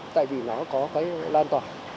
tại vì nó có cái lan tỏa